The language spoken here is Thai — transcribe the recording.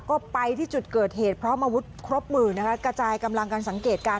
ก็ไปที่จุดเกิดเหตุพร้อมอาวุธครบมือนะคะกระจายกำลังกันสังเกตการณ